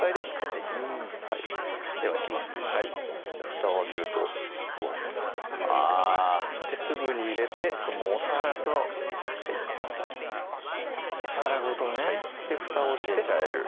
ふたを開けるとふわっとあすぐに入れてお皿とお皿ごとね入れちゃえる